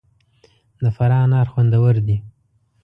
د فراه انار خوندور دي